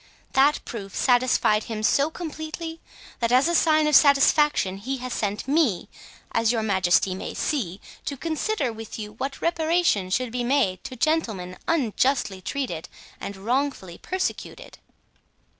That proof satisfied him so completely that, as a sign of satisfaction, he has sent me, as your majesty may see, to consider with you what reparation should be made to gentlemen unjustly treated and wrongfully persecuted."